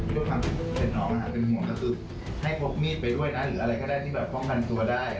ด้วยความคุกเผ็ดน้องก็ซื้อให้พกมีดไปด้วยนะ